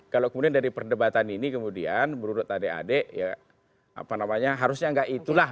kalau kemudian dari perdebatan ini kemudian menurut adik adik ya harusnya enggak itulah